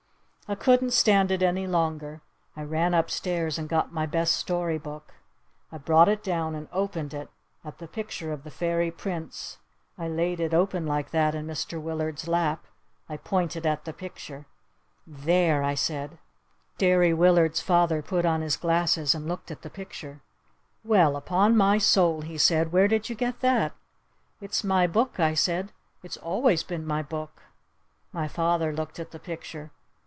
I couldn't stand it any longer. I ran upstairs and got my best story book. I brought it down and opened it at the picture of the Fairy Prince. I laid it open like that in Mr. Willard's lap. I pointed at the picture. "There!" I said. Derry Willard's father put on his glasses and looked at the picture. "Well, upon my soul," he said, "where did you get that?" "It's my book," I said. "It's always been my book." My father looked at the picture.